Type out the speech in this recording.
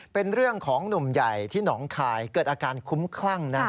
เป็นเรื่องของหนุ่มใหญ่ที่หนองคายเกิดอาการคุ้มคลั่งนะ